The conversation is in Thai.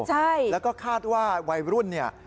ใช่แล้วก็คาดว่าวัยรุ่นเนี่ย